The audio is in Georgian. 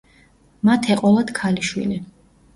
მათ ეყოლათ ქალიშვილი.